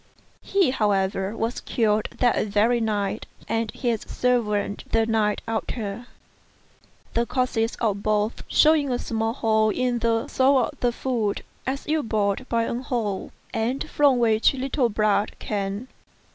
He, however, was killed that very night, and his servant the night after ; the corpses of both shewing a small hole in the sole of the foot as if bored by an awl, and from which a little blood came.